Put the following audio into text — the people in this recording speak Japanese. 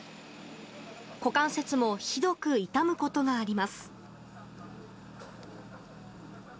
股関節もひどく痛むことがあります。